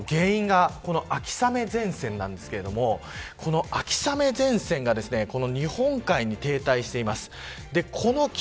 ではこの雨の原因がこの秋雨前線なんですがこの秋雨前線が日本海に停滞しています。